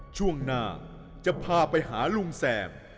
ช่วงหน้าจะพาไปหาลุงแสบ